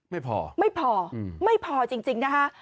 ไม่พอไม่พอไม่พอจริงนะคะ